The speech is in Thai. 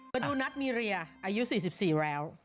มาดูนัทมีเรียอายุ๔๔แล้ว